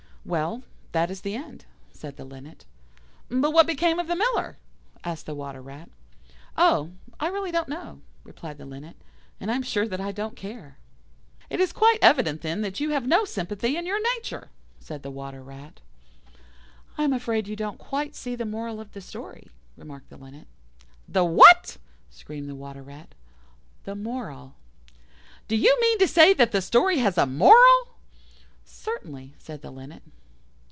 "Well, that is the end," said the Linnet. "But what became of the Miller?" asked the Water rat. "Oh! I really don't know," replied the Linnet; "and I am sure that I don't care." "It is quite evident then that you have no sympathy in your nature," said the Water rat. "I am afraid you don't quite see the moral of the story," remarked the Linnet. "The what?" screamed the Water rat. "The moral." "Do you mean to say that the story has a moral?" "Certainly," said the Linnet.